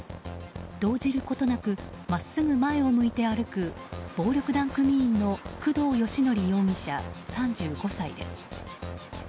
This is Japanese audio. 動じることなく真っすぐ前を向いて歩く暴力団組員の工藤義典容疑者、３５歳です。